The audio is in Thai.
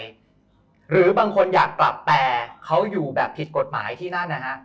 หรือบางคนอยากกลับแต่เขาอยู่แบบผิดกฎหมายที่นั่นนะฮะ